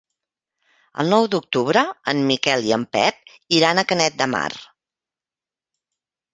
El nou d'octubre en Miquel i en Pep iran a Canet de Mar.